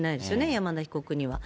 山田被告には。